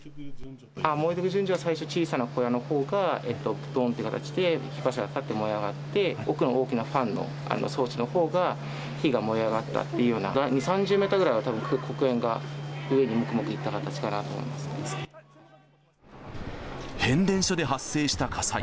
燃えてく順序は最初、小さな小屋のほうがどーんという形で、最初火柱が立って燃え上がって、奥の大きなファンの装置のほうが、火が燃え上がったっていうような、２、３０メートルぐらいはたぶん黒煙が上にもくもくいった形かなと思変電所で発生した火災。